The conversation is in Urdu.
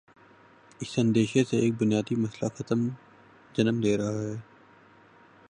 اس اندیشے سے ایک بنیادی مسئلہ جنم لے رہاہے۔